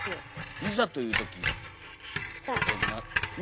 いざというときってね？